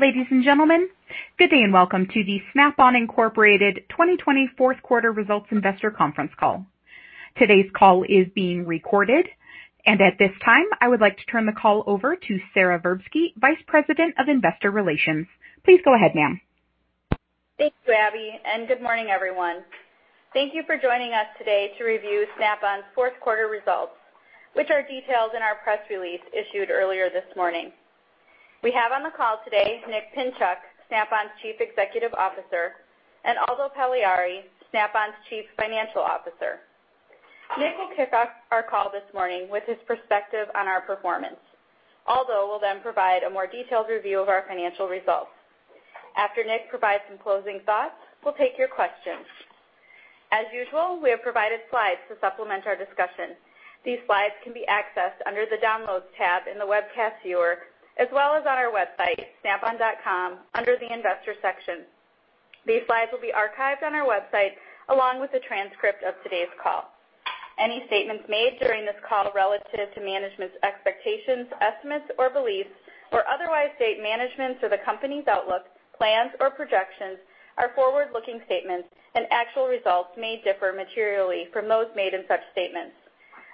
Ladies and gentlemen, good day and welcome to the Snap-on Incorporated 2020 Fourth Quarter Results Investor Conference Call. Today's call is being recorded, and at this time, I would like to turn the call over to Sara Verbsky, Vice President of Investor Relations. Please go ahead, ma'am. Thank you, Abby, and good morning, everyone. Thank you for joining us today to review Snap-on's fourth quarter results, which are detailed in our press release issued earlier this morning. We have on the call today Nick Pinchuk, Snap-on's Chief Executive Officer, and Aldo Pagliari, Snap-on's Chief Financial Officer. Nick will kick off our call this morning with his perspective on our performance. Aldo will then provide a more detailed review of our financial results. After Nick provides some closing thoughts, we'll take your questions. As usual, we have provided slides to supplement our discussion. These slides can be accessed under the Downloads tab in the webcast viewer, as well as on our website, snap-on.com, under the Investor section. These slides will be archived on our website along with the transcript of today's call. Any statements made during this call relative to management's expectations, estimates, or beliefs, or otherwise state management's or the company's outlook, plans, or projections are forward-looking statements, and actual results may differ materially from those made in such statements.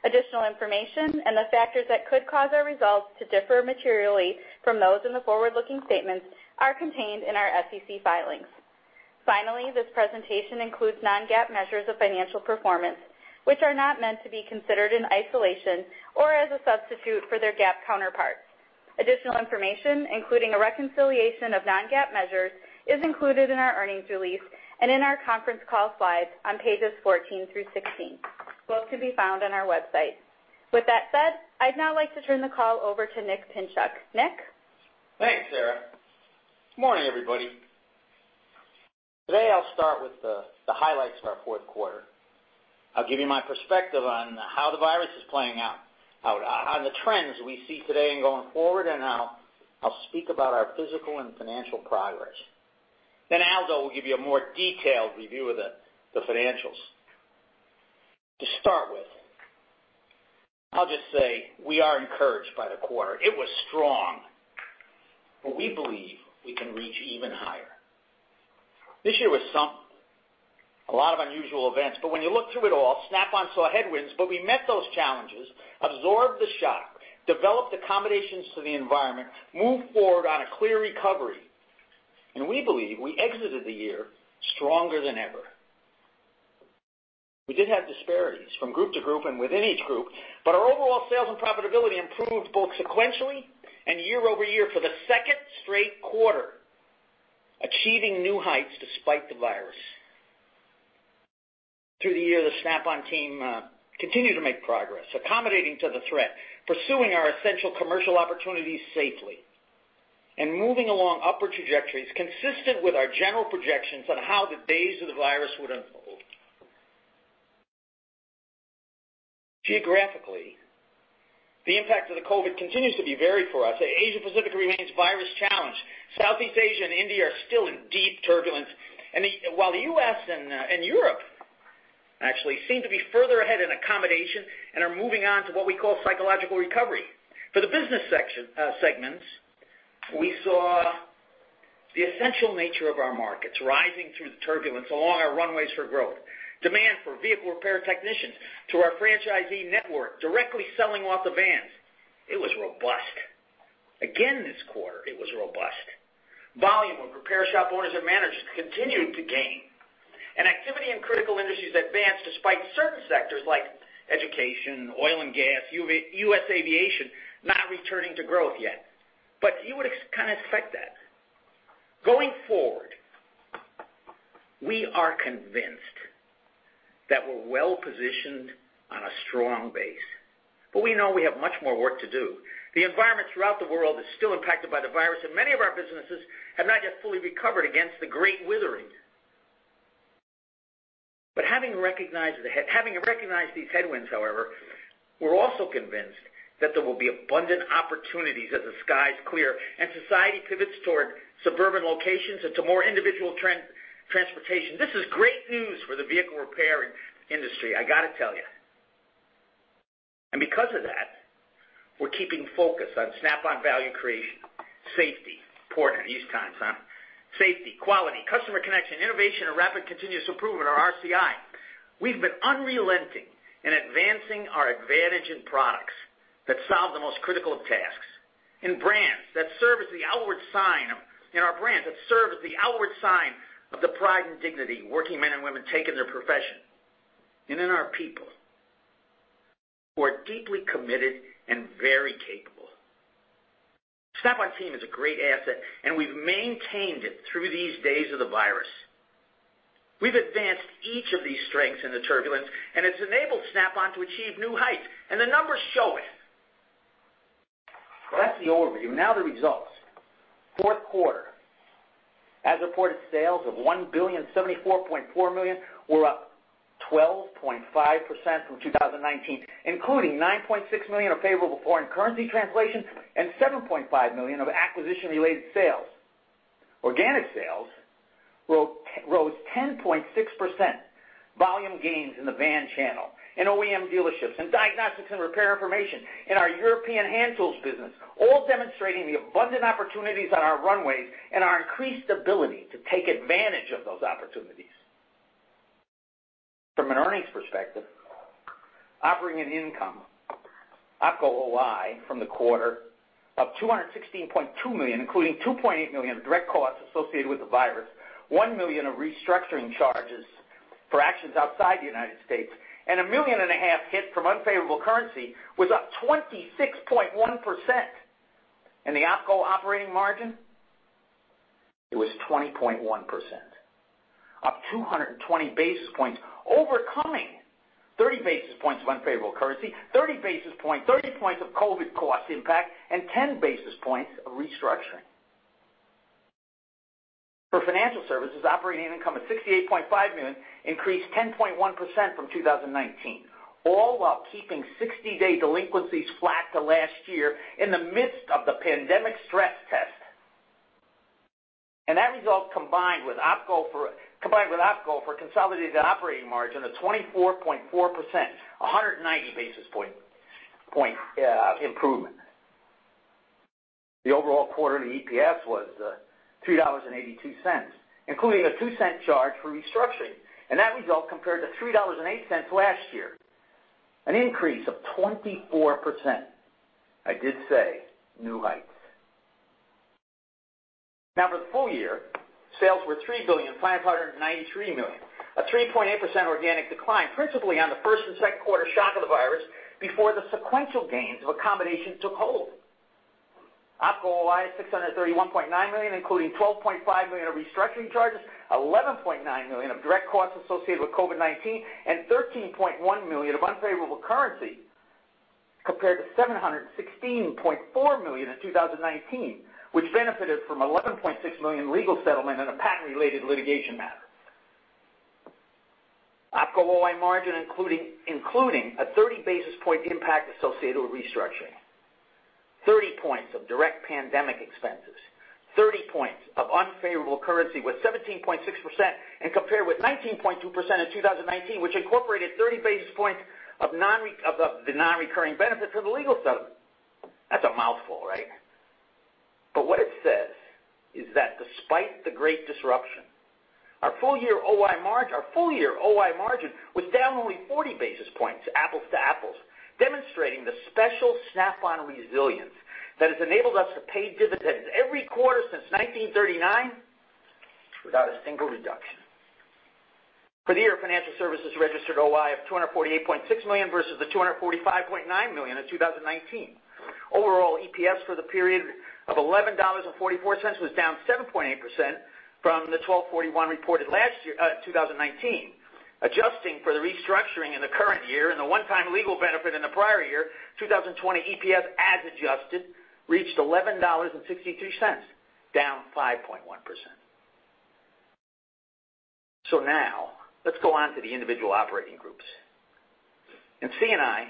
Additional information and the factors that could cause our results to differ materially from those in the forward-looking statements are contained in our SEC filings. Finally, this presentation includes non-GAAP measures of financial performance, which are not meant to be considered in isolation or as a substitute for their GAAP counterparts. Additional information, including a reconciliation of non-GAAP measures, is included in our earnings release and in our conference call slides on pages 14 through 16. Both can be found on our website. With that said, I'd now like to turn the call over to Nick Pinchuk. Nick? Thanks, Sara. Good morning, everybody. Today, I'll start with the highlights of our fourth quarter. I'll give you my perspective on how the virus is playing out, on the trends we see today and going forward, and I'll speak about our physical and financial progress. Then Aldo will give you a more detailed review of the financials. To start with, I'll just say we are encouraged by the quarter. It was strong, but we believe we can reach even higher. This year was something. A lot of unusual events, but when you look through it all, Snap-on saw headwinds, but we met those challenges, absorbed the shock, developed accommodations to the environment, moved forward on a clear recovery, and we believe we exited the year stronger than ever. We did have disparities from group to group and within each group, but our overall sales and profitability improved both sequentially and year over year for the second straight quarter, achieving new heights despite the virus. Through the year, the Snap-on team continued to make progress, accommodating to the threat, pursuing our essential commercial opportunities safely, and moving along upward trajectories consistent with our general projections on how the days of the virus would unfold. Geographically, the impact of the COVID continues to be varied for us, Asia-Pacific remains virus-challenged. Southeast Asia and India are still in deep turbulence, while the U.S. and Europe actually seem to be further ahead in accommodation and are moving on to what we call psychological recovery. For the business segments, we saw the essential nature of our markets rising through the turbulence along our runways for growth. Demand for vehicle repair technicians to our franchisee network directly selling off the vans. It was robust. Again this quarter, it was robust. Volume of repair shop owners and managers continued to gain, and activity in critical industries advanced despite certain sectors like education, oil and gas, U.S. aviation not returning to growth yet. You would kind of expect that. Going forward, we are convinced that we're well-positioned on a strong base, but we know we have much more work to do. The environment throughout the world is still impacted by the virus, and many of our businesses have not yet fully recovered against the great withering. Having recognized these headwinds, however, we're also convinced that there will be abundant opportunities as the skies clear and society pivots toward suburban locations and to more individual transportation. This is great news for the vehicle repair industry, I got to tell you. Because of that, we're keeping focus on Snap-on value creation. Safety, important in these times, Safety, quality, customer connection, innovation, and rapid continuous improvement, or RCI. We've been unrelenting in advancing our advantage in products that solve the most critical of tasks and brands that serve as the outward sign of the pride and dignity working men and women take in their profession. And in our people who are deeply committed and very capable. Snap-on team is a great asset, and we've maintained it through these days of the virus. We've advanced each of these strengths in the turbulence, and it's enabled Snap-on to achieve new heights, and the numbers show it. That's the overview. Now the results. Fourth quarter, as reported sales of $1,074.4 million were up 12.5% from 2019, including $9.6 million of favorable foreign currency translation and $7.5 million of acquisition-related sales. Organic sales rose 10.6%. Volume gains in the van channel, in OEM dealerships, in diagnostics and repair information, in our European hand tools business, all demonstrating the abundant opportunities on our runways and our increased ability to take advantage of those opportunities. From an earnings perspective, operating income, Opco OI from the quarter, up $216.2 million, including $2.8 million of direct costs associated with the virus, $1 million of restructuring charges for actions outside the United States, and $1.5 million hit from unfavorable currency was up 26.1%. The Opco operating margin, it was 20.1%, up 220 basis points, overcoming 30 basis points of unfavorable currency, 30 basis points, 30 basis points of COVID cost impact, and 10 basis points of restructuring. For financial services, operating income of $68.5 million increased 10.1% from 2019, all while keeping 60-day delinquencies flat to last year in the midst of the pandemic stress test. That result, combined with Opco for consolidated operating margin, of 24.4%, 190 basis point improvement. The overall quarterly EPS was $3.82, including a 2-cent charge for restructuring, and that result compared to $3.08 last year, an increase of 24%. I did say new heights. Now, for the full year, sales were $3,593 million, a 3.8% organic decline, principally on the first and second quarter shock of the virus before the sequential gains of accommodation took hold. Opco OI is $631.9 million, including $12.5 million of restructuring charges, $11.9 million of direct costs associated with COVID-19, and $13.1 million of unfavorable currency compared to $716.4 million in 2019, which benefited from $11.6 million legal settlement in a patent-related litigation matter. Opco OI margin, including a 30 basis point impact associated with restructuring, 30 points of direct pandemic expenses, 30 points of unfavorable currency, was 17.6% and compared with 19.2% in 2019, which incorporated 30 basis points of the non-recurring benefit from the legal settlement. That's a mouthful, right? What it says is that despite the great disruption, our full year OI margin was down only 40 basis points apples to apples, demonstrating the special Snap-on resilience that has enabled us to pay dividends every quarter since 1939 without a single reduction. For the year, financial services registered OI of $248.6 million versus the $245.9 million in 2019. Overall EPS for the period of $11.44 was down 7.8% from the $12.41 reported last year in 2019, adjusting for the restructuring in the current year and the one-time legal benefit in the prior year 2020 EPS as adjusted reached $11.63, down 5.1%. Now, let's go on to the individual operating groups. In C&I,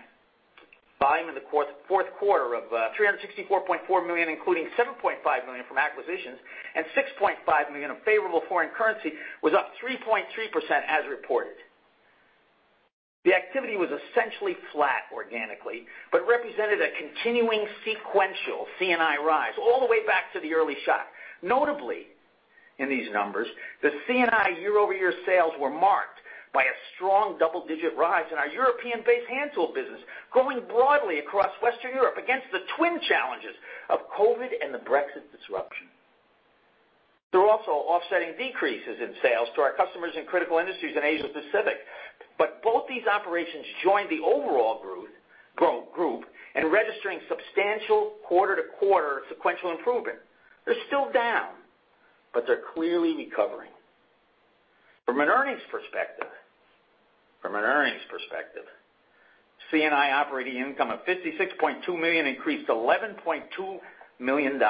volume in the fourth quarter of $364.4 million, including $7.5 million from acquisitions and $6.5 million of favorable foreign currency, was up 3.3% as reported. The activity was essentially flat organically, but represented a continuing sequential C&I rise all the way back to the early shock. Notably, in these numbers, the C&I year-over-year sales were marked by a strong double-digit rise in our European-based hand tool business, growing broadly across Western Europe against the twin challenges of COVID and the Brexit disruption. There were also offsetting decreases in sales to our customers in critical industries in Asia-Pacific, but both these operations joined the overall group in registering substantial quarter-to-quarter sequential improvement. They're still down, but they're clearly recovering. From an earnings perspective, C&I operating income of $56.2 million increased $11.2 million,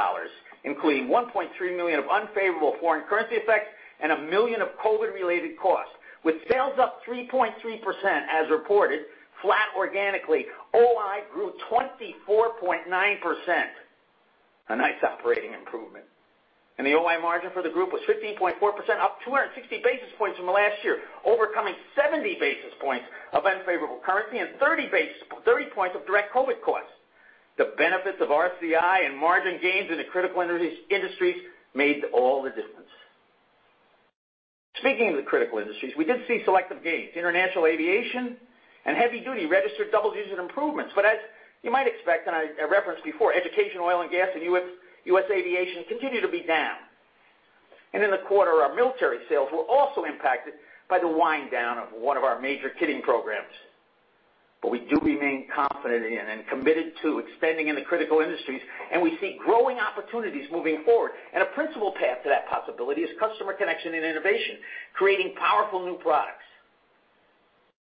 including $1.3 million of unfavorable foreign currency effects and $1 million of COVID-related costs, with sales up 3.3% as reported, flat organically. OI grew 24.9%. A nice operating improvement. The OI margin for the group was 15.4%, up 260 basis points from last year, overcoming 70 basis points of unfavorable currency and 30 basis points of direct COVID costs. The benefits of RCI and margin gains in the critical industries made all the difference. Speaking of the critical industries, we did see selective gains. International aviation and heavy duty registered double-digit improvements, but as you might expect, and I referenced before, education, oil and gas, and U.S. aviation continued to be down. In the quarter, our military sales were also impacted by the wind down of one of our major kitting programs. We do remain confident in and committed to expanding in the critical industries, and we see growing opportunities moving forward. A principal path to that possibility is customer connection and innovation, creating powerful new products.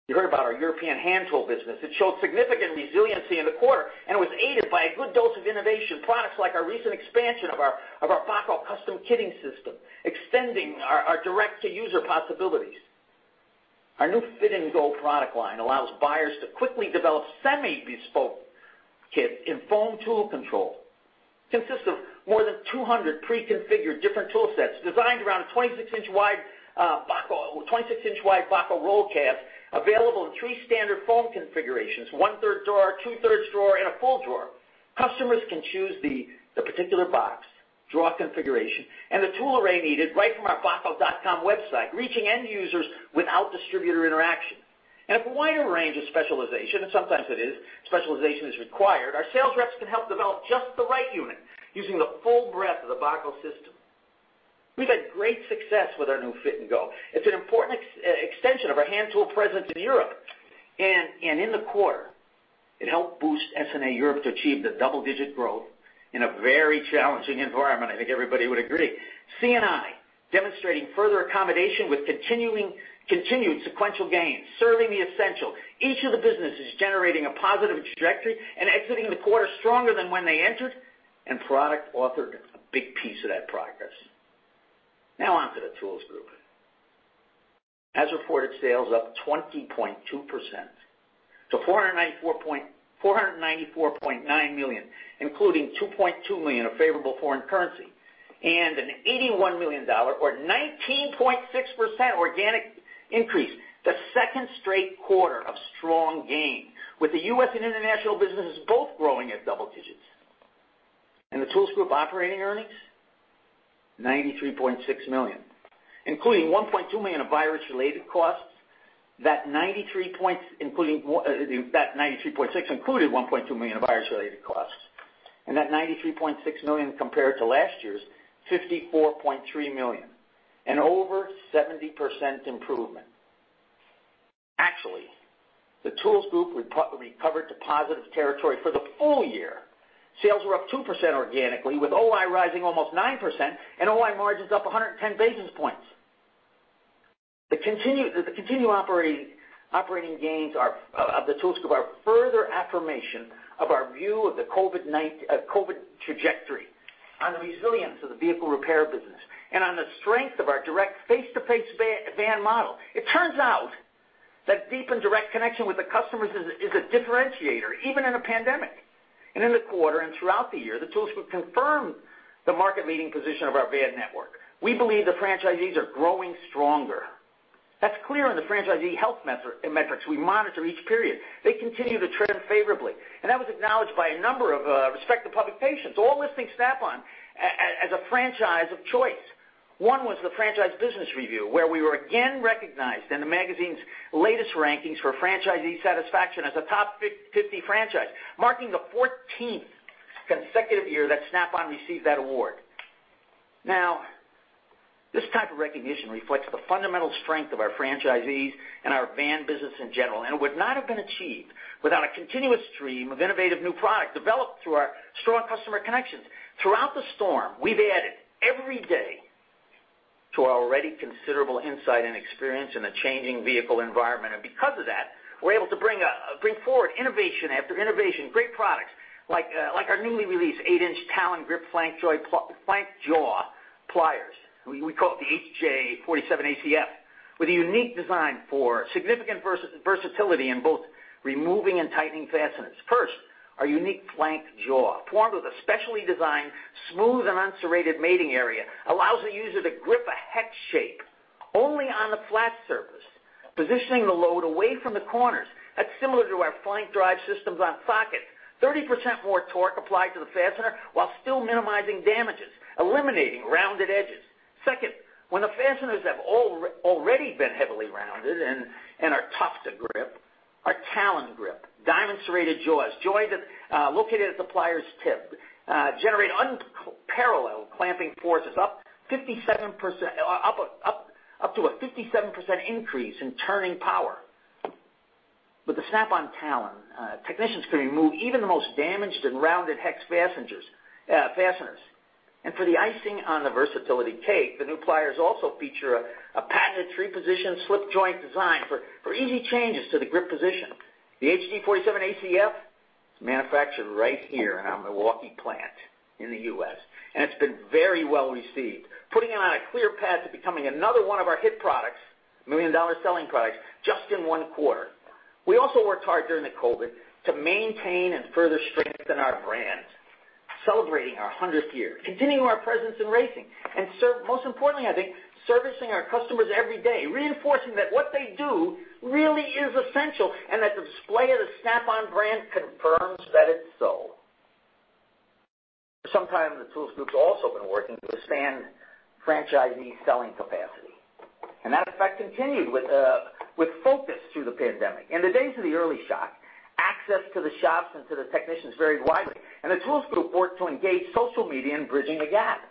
You heard about our European hand tool business. It showed significant resiliency in the quarter, and it was aided by a good dose of innovation, products like our recent expansion of our Bacco Custom Kitting System, extending our direct-to-user possibilities. Our new Fit & Go product line allows buyers to quickly develop semi-bespoke kits in foam tool control. It consists of more than 200 pre-configured different tool sets designed around a 26-inch wide Bacco roll cab, available in three standard foam configurations: one-third drawer, two-thirds drawer, and a full drawer. Customers can choose the particular box, drawer configuration, and the tool array needed right from our bacco.com website, reaching end users without distributor interaction. If a wider range of specialization, and sometimes it is, specialization is required, our sales reps can help develop just the right unit using the full breadth of the Bacco system. We've had great success with our new Fit & Go. It's an important extension of our hand tool presence in Europe. In the quarter, it helped boost S&A Europe to achieve the double-digit growth in a very challenging environment, I think everybody would agree. C&I demonstrating further accommodation with continued sequential gains, serving the essential. Each of the businesses generating a positive trajectory and exiting the quarter stronger than when they entered, and product authored a big piece of that progress. Now on to the tools group. As reported, sales up 20.2% to $494.9 million, including $2.2 million of favorable foreign currency and an $81 million, or 19.6% organic increase, the second straight quarter of strong gain, with the U.S. and international businesses both growing at double digits. The tools group operating earnings, $93.6 million, including $1.2 million of virus-related costs, that $93.6 included $1.2 million of virus-related costs. That $93.6 million compared to last year's $54.3 million, an over 70% improvement. Actually, the tools group recovered to positive territory for the full year. Sales were up 2% organically, with OI rising almost 9% and OI margins up 110 basis points. The continued operating gains of the tools group are further affirmation of our view of the COVID trajectory, on the resilience of the vehicle repair business, and on the strength of our direct face-to-face van model. It turns out that deep and direct connection with the customers is a differentiator, even in a pandemic. In the quarter and throughout the year, the tools group confirmed the market-leading position of our van network. We believe the franchisees are growing stronger. That is clear in the franchisee health metrics we monitor each period. They continue to trend favorably. That was acknowledged by a number of respected public patients, all listing Snap-on as a franchise of choice. One was the Franchise Business Review, where we were again recognized in the magazine's latest rankings for franchisee satisfaction as a top 50 franchise, marking the 14th consecutive year that Snap-on received that award. This type of recognition reflects the fundamental strength of our franchisees and our van business in general, and it would not have been achieved without a continuous stream of innovative new products developed through our strong customer connections. Throughout the storm, we have added every day to our already considerable insight and experience in a changing vehicle environment. Because of that, we are able to bring forward innovation after innovation, great products like our newly released 8-inch Talon Grip Flank Jaw pliers. We call it the HJ47 ACF, with a unique design for significant versatility in both removing and tightening fasteners. First, our unique flank jaw, formed with a specially designed smooth and unserrated mating area, allows the user to grip a hex shape only on the flat surface, positioning the load away from the corners. That's similar to our flank drive systems on sockets, 30% more torque applied to the fastener while still minimizing damages, eliminating rounded edges. Second, when the fasteners have already been heavily rounded and are tough to grip, our Talon Grip Diamond Serrated Jaws, located at the pliers tip, generate unparalleled clamping forces, up to a 57% increase in turning power. With the Snap-on Talon, technicians can remove even the most damaged and rounded hex fasteners. For the icing on the versatility cake, the new pliers also feature a patented three-position slip joint design for easy changes to the grip position. The HJ47 ACF is manufactured right here in our Milwaukee plant in the U.S., and it's been very well received, putting it on a clear path to becoming another one of our hit products, million-dollar selling products, just in one quarter. We also worked hard during the COVID to maintain and further strengthen our brand, celebrating our 100th year, continuing our presence in racing, and most importantly, I think, servicing our customers every day, reinforcing that what they do really is essential and that the display of the Snap-on brand confirms that it's so. Sometimes, the tools group's also been working to expand franchisee selling capacity. That effect continued with focus through the pandemic. In the days of the early shock, access to the shops and to the technicians varied widely, and the Tools Group worked to engage social media in bridging the gap.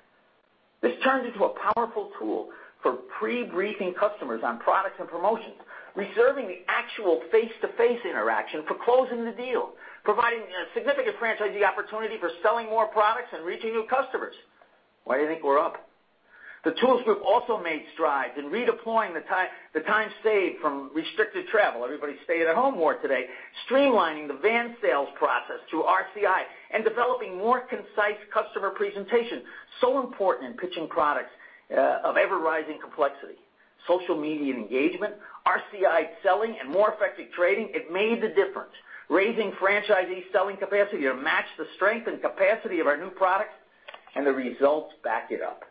This turned into a powerful tool for pre-briefing customers on products and promotions, reserving the actual face-to-face interaction for closing the deal, providing a significant franchisee opportunity for selling more products and reaching new customers. Why do you think we're up? The Tools Group also made strides in redeploying the time saved from restricted travel. Everybody's staying at home more today, streamlining the van sales process through RCI and developing more concise customer presentation, so important in pitching products of ever-rising complexity. Social media engagement, RCI selling, and more effective trading, it made the difference, raising franchisee selling capacity to match the strength and capacity of our new products, and the results back it up.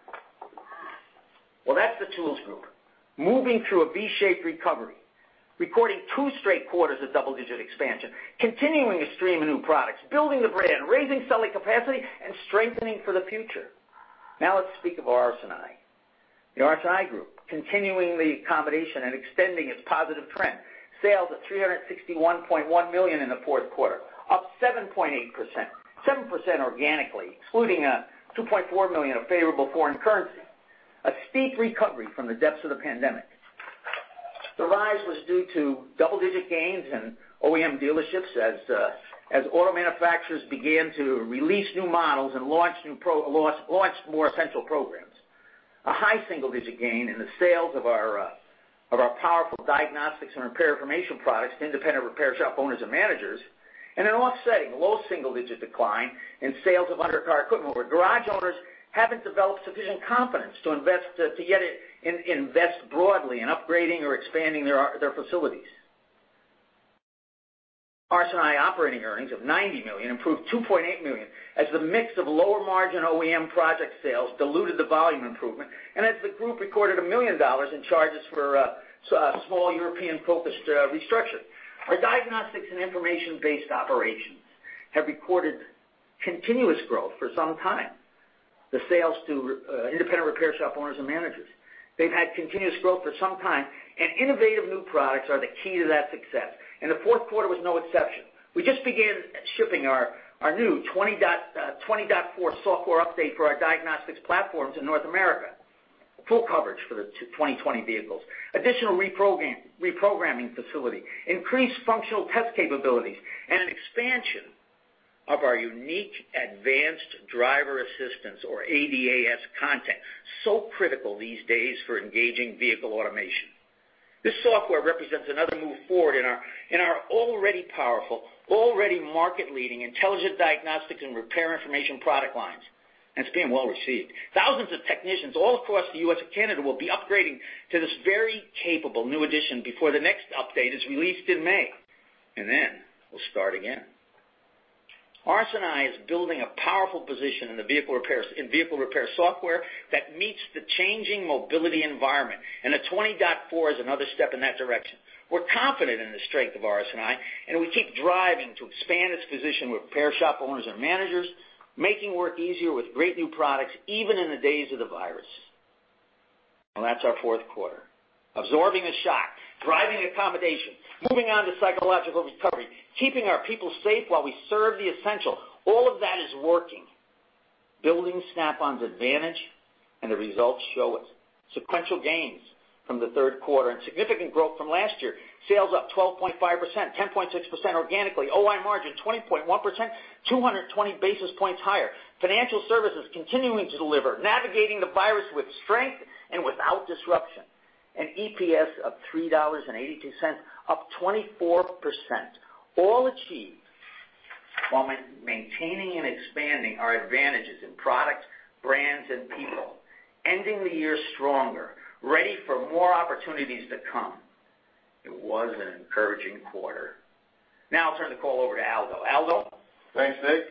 That is the tools group moving through a V-shaped recovery, recording two straight quarters of double-digit expansion, continuing to stream new products, building the brand, raising selling capacity, and strengthening for the future. Now, let's speak of RS&I. The RS&I group continuing the accommodation and extending its positive trend. Sales of $361.1 million in the fourth quarter, up 7.8%, 7% organically, excluding $2.4 million of favorable foreign currency, a steep recovery from the depths of the pandemic. The rise was due to double-digit gains in OEM dealerships as auto manufacturers began to release new models and launch more essential programs, a high single-digit gain in the sales of our powerful diagnostics and repair information products to independent repair shop owners and managers, and an offsetting low single-digit decline in sales of undercar equipment where garage owners have not developed sufficient confidence to get it invest broadly in upgrading or expanding their facilities. RS&I operating earnings of $90 million improved $2.8 million as the mix of lower margin OEM project sales diluted the volume improvement, and as the group recorded $1 million in charges for a small European-focused restructure. Our diagnostics and information-based operations have recorded continuous growth for some time. The sales to independent repair shop owners and managers, they have had continuous growth for some time, and innovative new products are the key to that success. The fourth quarter was no exception. We just began shipping our new 20.4 software update for our diagnostics platforms in North America, full coverage for the 2020 vehicles, additional reprogramming facility, increased functional test capabilities, and an expansion of our unique advanced driver assistance, or ADAS content, so critical these days for engaging vehicle automation. This software represents another move forward in our already powerful, already market-leading intelligent diagnostics and repair information product lines, and it's being well received. Thousands of technicians all across the U.S. and Canada will be upgrading to this very capable new addition before the next update is released in May. We will start again. RS&I is building a powerful position in the vehicle repair software that meets the changing mobility environment, and the 20.4 is another step in that direction. We're confident in the strength of RS&I, and we keep driving to expand its position with repair shop owners and managers, making work easier with great new products even in the days of the virus. That is our fourth quarter. Absorbing the shock, driving accommodation, moving on to psychological recovery, keeping our people safe while we serve the essential, all of that is working, building Snap-on's advantage, and the results show it. Sequential gains from the third quarter and significant growth from last year, sales up 12.5%, 10.6% organically, OI margin 20.1%, 220 basis points higher. Financial services continuing to deliver, navigating the virus with strength and without disruption, and EPS of $3.82, up 24%, all achieved while maintaining and expanding our advantages in products, brands, and people, ending the year stronger, ready for more opportunities to come. It was an encouraging quarter. Now I'll turn the call over to Aldo. Aldo? Thanks, Nick.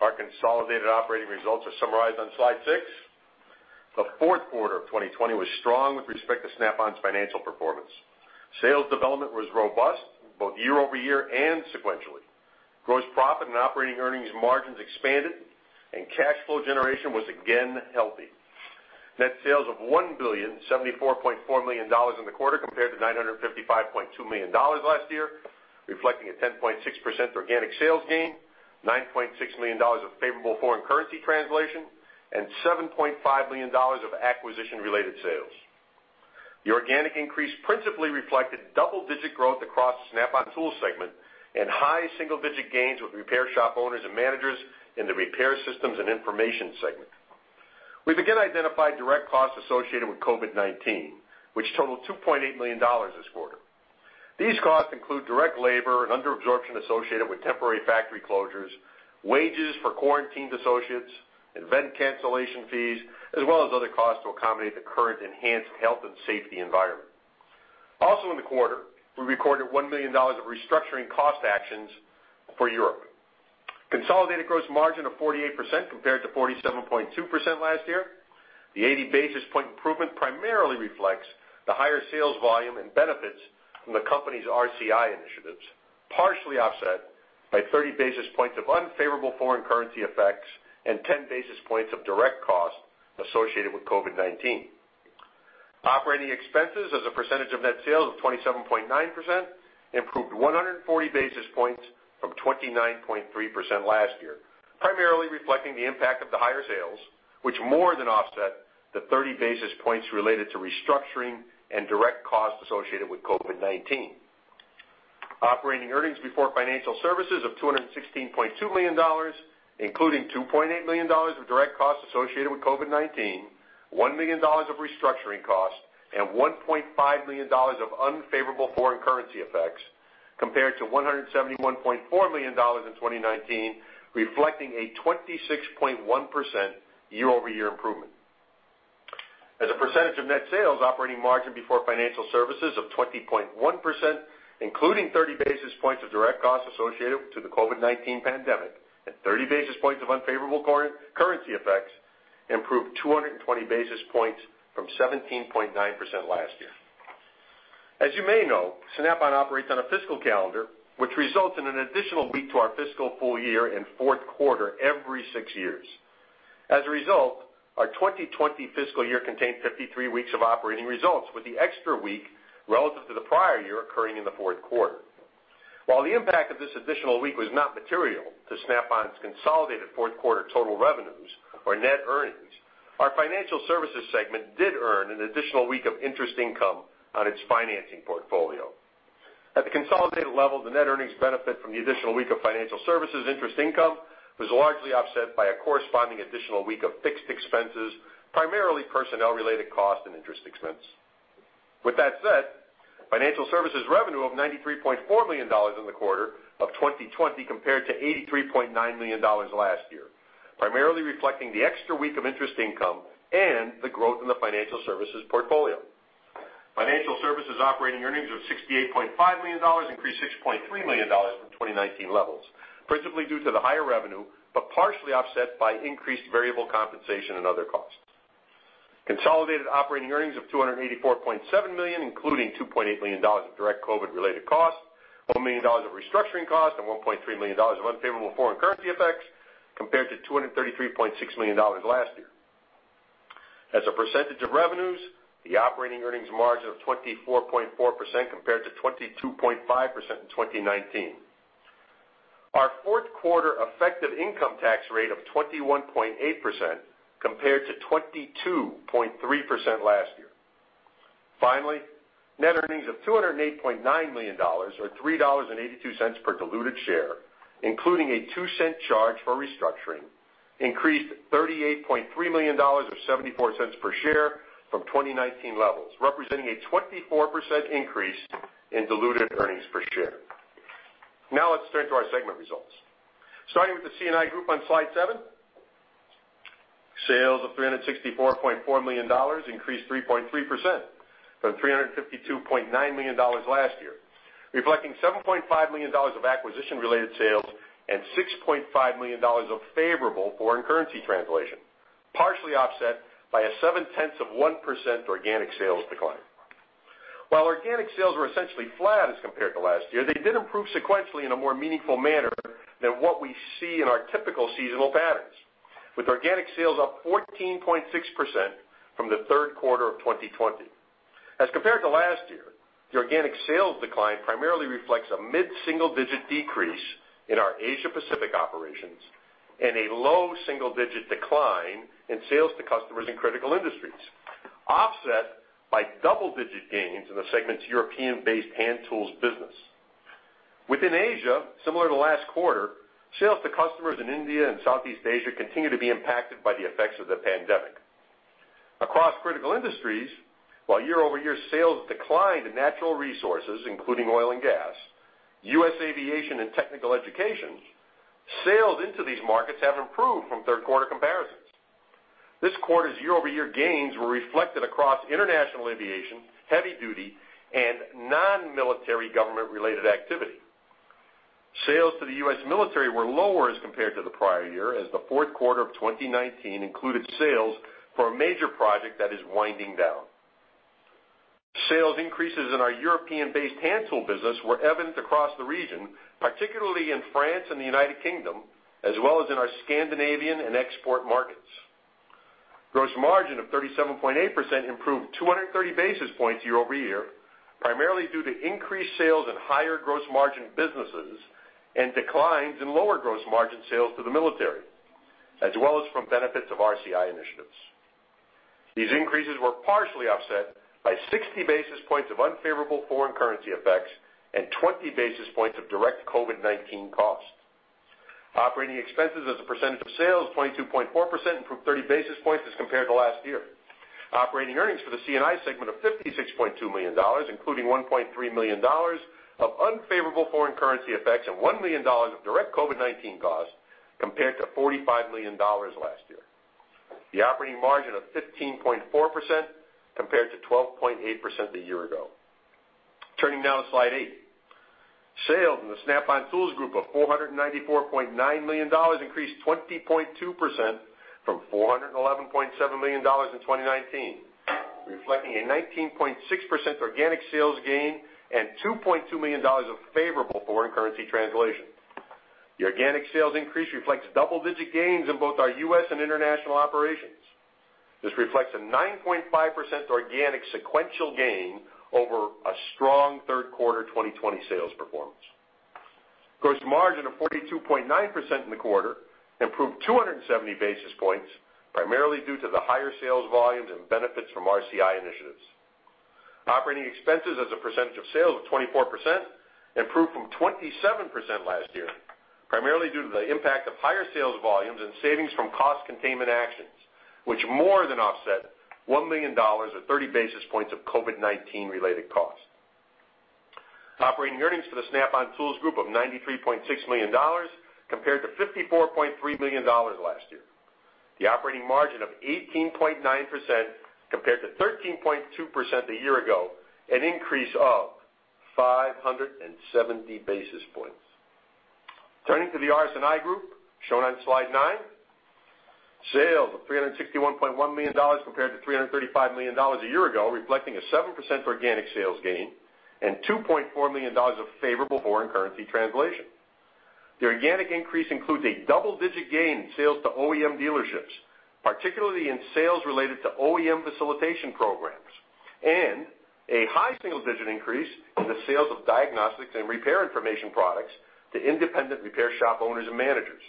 Our consolidated operating results are summarized on slide six. The fourth quarter of 2020 was strong with respect to Snap-on's financial performance. Sales development was robust both year over year and sequentially. Gross profit and operating earnings margins expanded, and cash flow generation was again healthy. Net sales of $1,074.4 million in the quarter compared to $955.2 million last year, reflecting a 10.6% organic sales gain, $9.6 million of favorable foreign currency translation, and $7.5 million of acquisition-related sales. The organic increase principally reflected double-digit growth across the Snap-on tools segment and high single-digit gains with repair shop owners and managers in the repair systems and information segment. We've again identified direct costs associated with COVID-19, which totaled $2.8 million this quarter. These costs include direct labor and underabsorption associated with temporary factory closures, wages for quarantined associates, event cancellation fees, as well as other costs to accommodate the current enhanced health and safety environment. Also in the quarter, we recorded $1 million of restructuring cost actions for Europe. Consolidated gross margin of 48% compared to 47.2% last year. The 80 basis point improvement primarily reflects the higher sales volume and benefits from the company's RCI initiatives, partially offset by 30 basis points of unfavorable foreign currency effects and 10 basis points of direct cost associated with COVID-19. Operating expenses as a percentage of net sales of 27.9% improved 140 basis points from 29.3% last year, primarily reflecting the impact of the higher sales, which more than offset the 30 basis points related to restructuring and direct cost associated with COVID-19. Operating earnings before financial services of $216.2 million, including $2.8 million of direct cost associated with COVID-19, $1 million of restructuring cost, and $1.5 million of unfavorable foreign currency effects compared to $171.4 million in 2019, reflecting a 26.1% year-over-year improvement. As a percentage of net sales, operating margin before financial services of 20.1%, including 30 basis points of direct cost associated to the COVID-19 pandemic and 30 basis points of unfavorable currency effects, improved 220 basis points from 17.9% last year. As you may know, Snap-on operates on a fiscal calendar, which results in an additional week to our fiscal full year in fourth quarter every six years. As a result, our 2020 fiscal year contained 53 weeks of operating results, with the extra week relative to the prior year occurring in the fourth quarter. While the impact of this additional week was not material to Snap-on's consolidated fourth quarter total revenues or net earnings, our financial services segment did earn an additional week of interest income on its financing portfolio. At the consolidated level, the net earnings benefit from the additional week of financial services interest income was largely offset by a corresponding additional week of fixed expenses, primarily personnel-related cost and interest expense. With that said, financial services revenue of $93.4 million in the quarter of 2020 compared to $83.9 million last year, primarily reflecting the extra week of interest income and the growth in the financial services portfolio. Financial services operating earnings of $68.5 million increased $6.3 million from 2019 levels, principally due to the higher revenue, but partially offset by increased variable compensation and other costs. Consolidated operating earnings of $284.7 million, including $2.8 million of direct COVID-related cost, $1 million of restructuring cost, and $1.3 million of unfavorable foreign currency effects compared to $233.6 million last year. As a percentage of revenues, the operating earnings margin of 24.4% compared to 22.5% in 2019. Our fourth quarter effective income tax rate of 21.8% compared to 22.3% last year. Finally, net earnings of $208.9 million or $3.82 per diluted share, including a $0.02 charge for restructuring, increased $38.3 million or 74 cents per share from 2019 levels, representing a 24% increase in diluted earnings per share. Now let's turn to our segment results. Starting with the C&I group on slide seven, sales of $364.4 million increased 3.3% from $352.9 million last year, reflecting $7.5 million of acquisition-related sales and $6.5 million of favorable foreign currency translation, partially offset by a 7/10ths of 1% organic sales decline. While organic sales were essentially flat as compared to last year, they did improve sequentially in a more meaningful manner than what we see in our typical seasonal patterns, with organic sales up 14.6% from the third quarter of 2020. As compared to last year, the organic sales decline primarily reflects a mid-single-digit decrease in our Asia-Pacific operations and a low single-digit decline in sales to customers in critical industries, offset by double-digit gains in the segment's European-based hand tools business. Within Asia, similar to last quarter, sales to customers in India and Southeast Asia continue to be impacted by the effects of the pandemic. Across critical industries, while year-over-year sales declined in natural resources, including oil and gas, U.S. aviation, and technical education, sales into these markets have improved from third quarter comparisons. This quarter's year-over-year gains were reflected across international aviation, heavy duty, and non-military government-related activity. Sales to the U.S. military were lower as compared to the prior year, as the fourth quarter of 2019 included sales for a major project that is winding down. Sales increases in our European-based hand tool business were evident across the region, particularly in France and the United Kingdom, as well as in our Scandinavian and export markets. Gross margin of 37.8% improved 230 basis points year-over-year, primarily due to increased sales in higher gross margin businesses and declines in lower gross margin sales to the military, as well as from benefits of RCI initiatives. These increases were partially offset by 60 basis points of unfavorable foreign currency effects and 20 basis points of direct COVID-19 cost. Operating expenses as a percentage of sales of 22.4% improved 30 basis points as compared to last year. Operating earnings for the C&I segment of $56.2 million, including $1.3 million of unfavorable foreign currency effects and $1 million of direct COVID-19 cost, compared to $45 million last year. The operating margin of 15.4% compared to 12.8% a year ago. Turning now to slide eight, sales in the Snap-on tools group of $494.9 million increased 20.2% from $411.7 million in 2019, reflecting a 19.6% organic sales gain and $2.2 million of favorable foreign currency translation. The organic sales increase reflects double-digit gains in both our U.S. and international operations. This reflects a 9.5% organic sequential gain over a strong third quarter 2020 sales performance. Gross margin of 42.9% in the quarter improved 270 basis points, primarily due to the higher sales volumes and benefits from RCI initiatives. Operating expenses as a percentage of sales of 24% improved from 27% last year, primarily due to the impact of higher sales volumes and savings from cost containment actions, which more than offset $1 million or 30 basis points of COVID-19-related cost. Operating earnings for the Snap-on tools group of $93.6 million compared to $54.3 million last year. The operating margin of 18.9% compared to 13.2% a year ago, an increase of 570 basis points. Turning to the RS&I group, shown on slide nine, sales of $361.1 million compared to $335 million a year ago, reflecting a 7% organic sales gain and $2.4 million of favorable foreign currency translation. The organic increase includes a double-digit gain in sales to OEM dealerships, particularly in sales related to OEM facilitation programs, and a high single-digit increase in the sales of diagnostics and repair information products to independent repair shop owners and managers.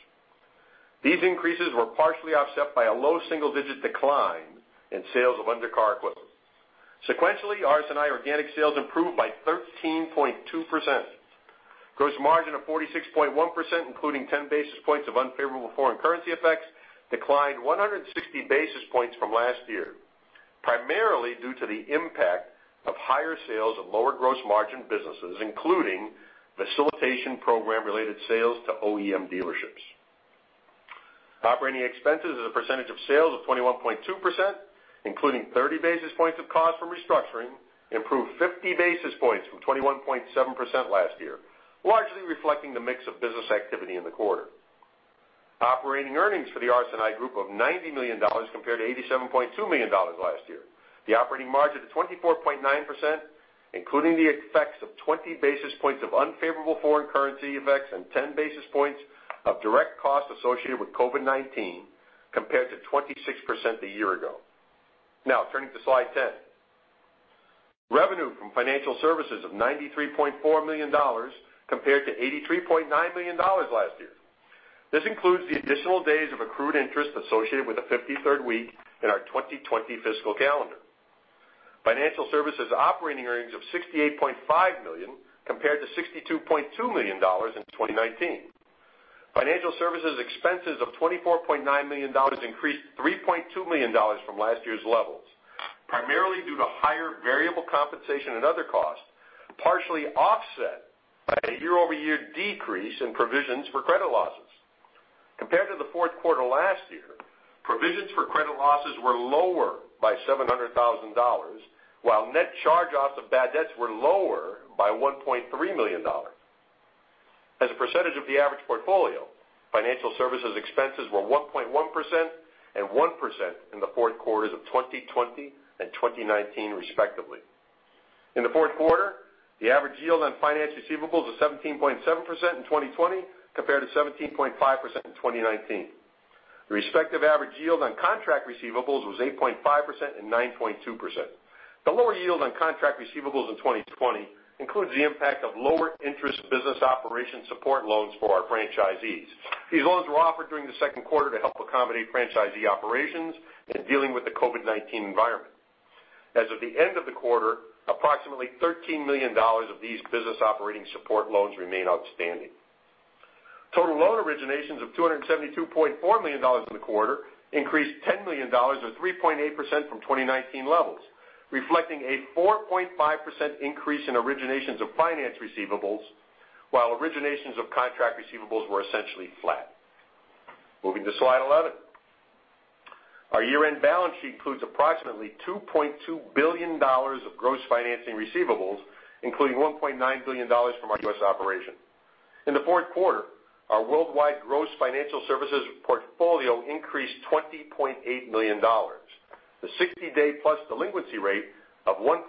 These increases were partially offset by a low single-digit decline in sales of undercar equipment. Sequentially, RS&I organic sales improved by 13.2%. Gross margin of 46.1%, including 10 basis points of unfavorable foreign currency effects, declined 160 basis points from last year, primarily due to the impact of higher sales and lower gross margin businesses, including facilitation program-related sales to OEM dealerships. Operating expenses as a percentage of sales of 21.2%, including 30 basis points of cost from restructuring, improved 50 basis points from 21.7% last year, largely reflecting the mix of business activity in the quarter. Operating earnings for the RS&I group of $90 million compared to $87.2 million last year. The operating margin of 24.9%, including the effects of 20 basis points of unfavorable foreign currency effects and 10 basis points of direct cost associated with COVID-19, compared to 26% a year ago. Now turning to slide 10, revenue from financial services of $93.4 million compared to $83.9 million last year. This includes the additional days of accrued interest associated with the 53rd week in our 2020 fiscal calendar. Financial services operating earnings of $68.5 million compared to $62.2 million in 2019. Financial services expenses of $24.9 million increased $3.2 million from last year's levels, primarily due to higher variable compensation and other costs, partially offset by a year-over-year decrease in provisions for credit losses. Compared to the fourth quarter last year, provisions for credit losses were lower by $700,000, while net charge-offs of bad debts were lower by $1.3 million. As a percentage of the average portfolio, financial services expenses were 1.1% and 1% in the fourth quarters of 2020 and 2019, respectively. In the fourth quarter, the average yield on finance receivables was 17.7% in 2020 compared to 17.5% in 2019. The respective average yield on contract receivables was 8.5% and 9.2%. The lower yield on contract receivables in 2020 includes the impact of lower interest business operation support loans for our franchisees. These loans were offered during the second quarter to help accommodate franchisee operations and dealing with the COVID-19 environment. As of the end of the quarter, approximately $13 million of these business operating support loans remain outstanding. Total loan originations of $272.4 million in the quarter increased $10 million or 3.8% from 2019 levels, reflecting a 4.5% increase in originations of finance receivables, while originations of contract receivables were essentially flat. Moving to slide 11, our year-end balance sheet includes approximately $2.2 billion of gross financing receivables, including $1.9 billion from our U.S. operation. In the fourth quarter, our worldwide gross financial services portfolio increased $20.8 million. The 60-day plus delinquency rate of 1.8%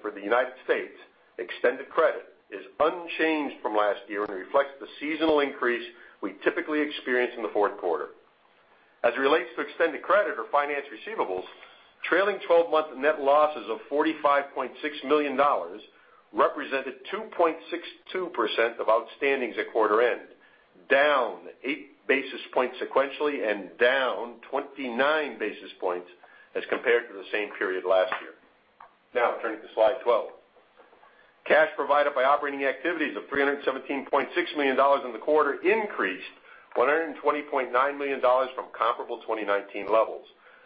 for the United States extended credit is unchanged from last year and reflects the seasonal increase we typically experience in the fourth quarter. As it relates to extended credit or finance receivables, trailing 12-month net losses of $45.6 million represented 2.62% of outstandings at quarter end, down 8 basis points sequentially and down 29 basis points as compared to the same period last year. Now turning to slide 12, cash provided by operating activities of $317.6 million in the quarter increased $120.9 million from comparable 2019 levels,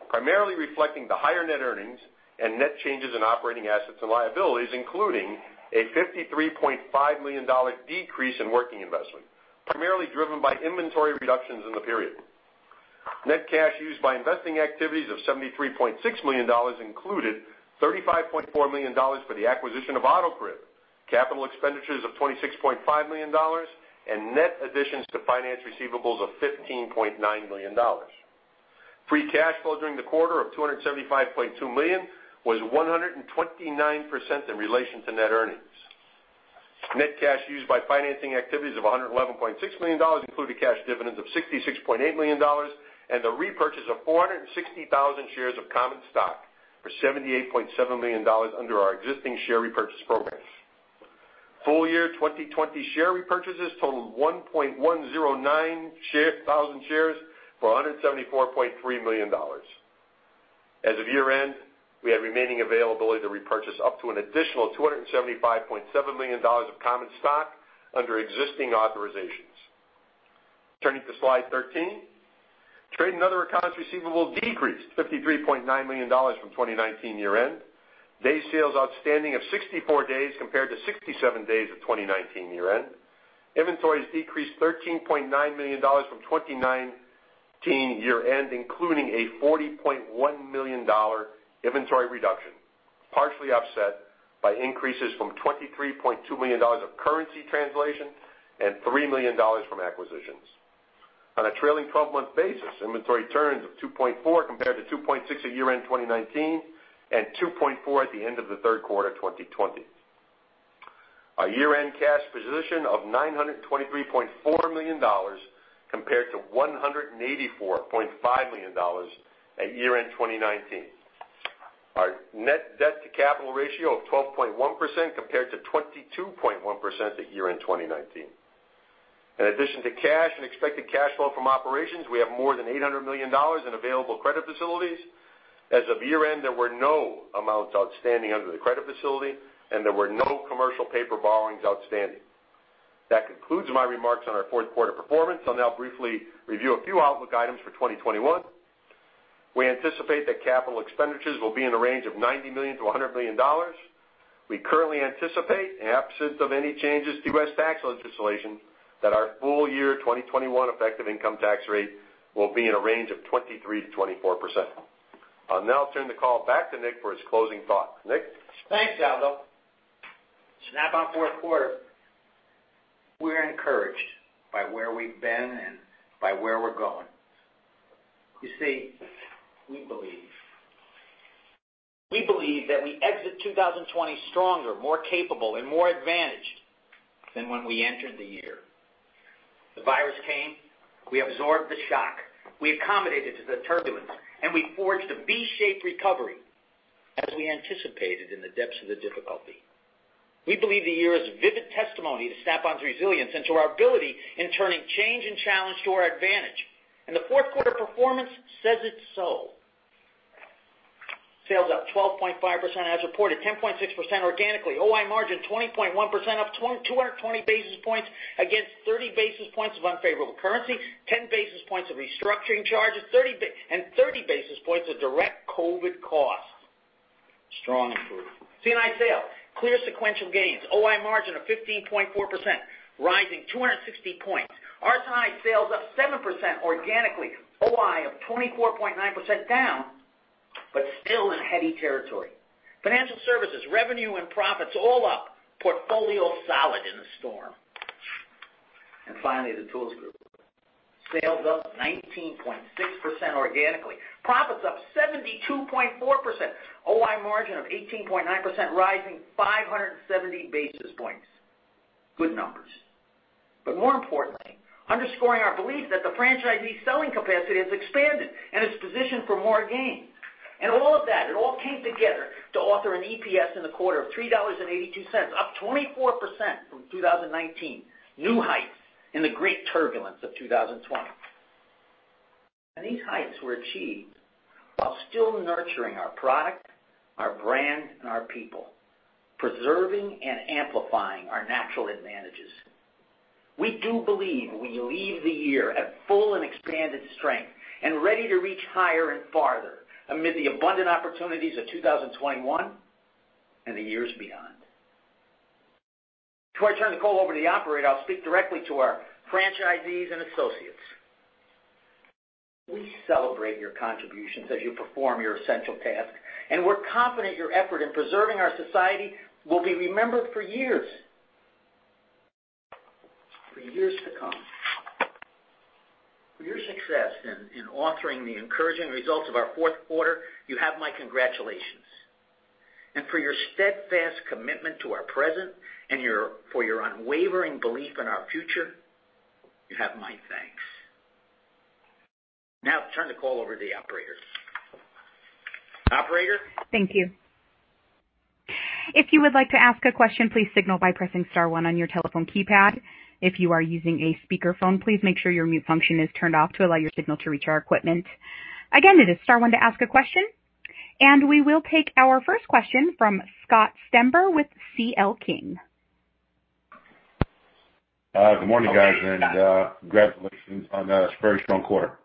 primarily reflecting the higher net earnings and net changes in operating assets and liabilities, including a $53.5 million decrease in working investment, primarily driven by inventory reductions in the period. Net cash used by investing activities of $73.6 million included $35.4 million for the acquisition of Autocrib, capital expenditures of $26.5 million, and net additions to finance receivables of $15.9 million. Free cash flow during the quarter of $275.2 million was 129% in relation to net earnings. Net cash used by financing activities of $111.6 million included cash dividends of $66.8 million and the repurchase of 460,000 shares of common stock for $78.7 million under our existing share repurchase program. Full year 2020 share repurchases totaled 1.109 million shares for $174.3 million. As of year-end, we had remaining availability to repurchase up to an additional $275.7 million of common stock under existing authorizations. Turning to slide 13, trade and other accounts receivable decreased $53.9 million from 2019 year-end. Day sales outstanding of 64 days compared to 67 days of 2019 year-end. Inventories decreased $13.9 million from 2019 year-end, including a $40.1 million inventory reduction, partially offset by increases from $23.2 million of currency translation and $3 million from acquisitions. On a trailing 12-month basis, inventory turns of 2.4 compared to 2.6 at year-end 2019 and 2.4 at the end of the third quarter 2020. Our year-end cash position of $923.4 million compared to $184.5 million at year-end 2019. Our net debt to capital ratio of 12.1% compared to 22.1% at year-end 2019. In addition to cash and expected cash flow from operations, we have more than $800 million in available credit facilities. As of year-end, there were no amounts outstanding under the credit facility, and there were no commercial paper borrowings outstanding. That concludes my remarks on our fourth quarter performance. I'll now briefly review a few outlook items for 2021. We anticipate that capital expenditures will be in the range of $90 million-$100 million. We currently anticipate, in absence of any changes to U.S. tax legislation, that our full year 2021 effective income tax rate will be in a range of 23%-24%. I'll now turn the call back to Nick for his closing thought. Nick? Thanks, Aldo. Snap-on fourth quarter, we're encouraged by where we've been and by where we're going. You see, we believe. We believe that we exit 2020 stronger, more capable, and more advantaged than when we entered the year. The virus came, we absorbed the shock, we accommodated to the turbulence, and we forged a V-shaped recovery as we anticipated in the depths of the difficulty. We believe the year is vivid testimony to Snap-on's resilience and to our ability in turning change and challenge to our advantage. The fourth quarter performance says it so. Sales up 12.5% as reported, 10.6% organically, OI margin 20.1%, up 220 basis points against 30 basis points of unfavorable currency, 10 basis points of restructuring charges, and 30 basis points of direct COVID cost. Strong improvement. C&I sales, clear sequential gains, OI margin of 15.4%, rising 260 basis points. RS&I sales up 7% organically, OI of 24.9% down, but still in heady territory. Financial services, revenue and profits all up, portfolio solid in the storm. Finally, the tools group. Sales up 19.6% organically, profits up 72.4%, OI margin of 18.9%, rising 570 basis points. Good numbers. More importantly, underscoring our belief that the franchisee selling capacity has expanded and is positioned for more gain. All of that, it all came together to author an EPS in the quarter of $3.82, up 24% from 2019, new heights in the great turbulence of 2020. These heights were achieved while still nurturing our product, our brand, and our people, preserving and amplifying our natural advantages. We do believe we leave the year at full and expanded strength and ready to reach higher and farther amid the abundant opportunities of 2021 and the years beyond. Before I turn the call over to the operator, I'll speak directly to our franchisees and associates. We celebrate your contributions as you perform your essential tasks, and we're confident your effort in preserving our society will be remembered for years, for years to come. For your success in authoring the encouraging results of our fourth quarter, you have my congratulations. For your steadfast commitment to our present and for your unwavering belief in our future, you have my thanks. Now turn the call over to the operator. Operator? Thank you. If you would like to ask a question, please signal by pressing star one on your telephone keypad. If you are using a speakerphone, please make sure your mute function is turned off to allow your signal to reach our equipment. Again, it is star one to ask a question. We will take our first question from Scott Stember with CL King. Good morning, guys, and congratulations on a very strong quarter.